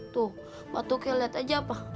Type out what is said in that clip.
tuh batuknya liat aja pak